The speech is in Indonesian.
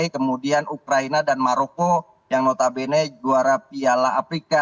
kemudian ukraina dan maroko yang notabene juara piala afrika u dua puluh tiga